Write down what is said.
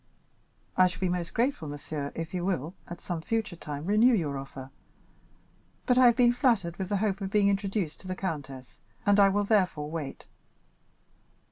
"I shall be most grateful, monsieur, if you will, at some future time, renew your offer, but I have been flattered with the hope of being introduced to the countess, and I will therefore wait."